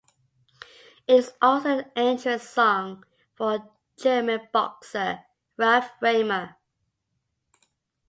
It is also the entrance song for German boxer Ralf Riemer.